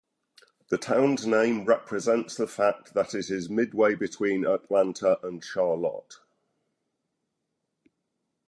The town's name represents the fact that it is midway between Atlanta and Charlotte.